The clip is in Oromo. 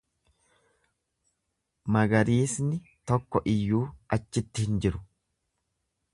Magariisni tokko iyyuu achitti hin jiru.